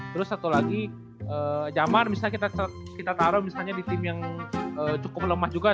terus satu lagi jamar misalnya kita taruh misalnya di tim yang cukup lemah juga